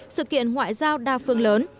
sự kiện ngoại giao đa phương lớn